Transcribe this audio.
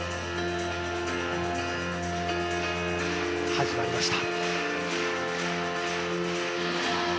始まりました。